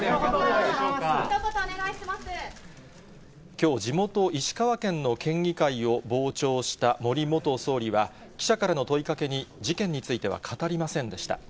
きょう、地元、石川県の県議会を傍聴した森元総理は、記者からの問いかけに、事件については語りませんでした。